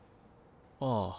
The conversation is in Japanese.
ああ。